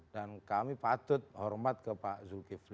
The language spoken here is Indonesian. kami patut hormat ke pak zulkifli